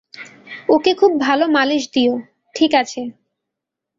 ওকে খুব ভাল মালিশ দিও, ঠিক আছে।